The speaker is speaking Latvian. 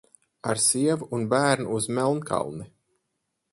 Ar sievu un bērnu uz Melnkalni!